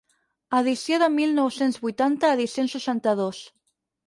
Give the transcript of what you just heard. Edició de mil nou-cents vuitanta a Edicions seixanta-dos.